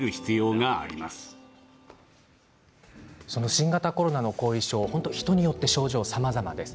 新型コロナの後遺症人によって症状がさまざまです。